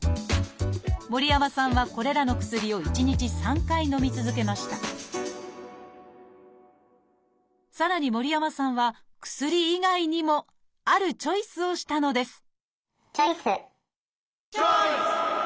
森山さんはこれらの薬を１日３回のみ続けましたさらに森山さんは薬以外にもあるチョイスをしたのですチョイス！